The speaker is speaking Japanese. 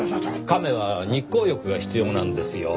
亀は日光浴が必要なんですよ。